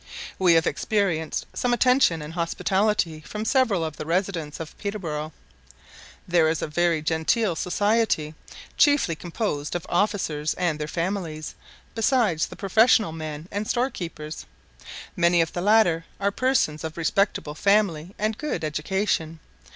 We have experienced some attention and hospitality from several of the residents of Peterborough. There is a very genteel society, chiefly composed of officers and their families, besides the professional men and storekeepers. Many of the latter are persons of respectable family and good education.